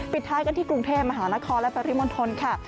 ท้ายกันที่กรุงเทพมหานครและปริมณฑลค่ะ